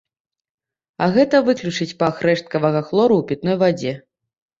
А гэта выключыць пах рэшткавага хлору ў пітной вадзе.